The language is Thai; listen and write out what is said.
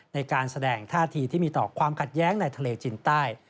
ในการแสดงท่าทีที่มีต่อความขัดแย้งในทะเลจินใต้